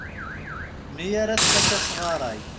Mi ara tfak asɣaray.